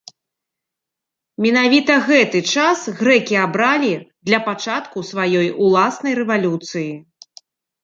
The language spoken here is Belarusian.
Менавіта гэты час грэкі абралі для пачатку сваёй уласнай рэвалюцыі.